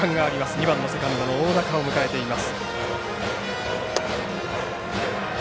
２番のセカンドの大仲を迎えています。